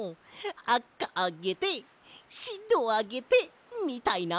「あかあげてしろあげて」みたいな。